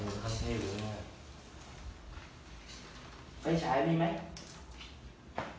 ตอนนี้ก็ไม่มีเวลาให้กลับไปแต่ตอนนี้ก็ไม่มีเวลาให้กลับไป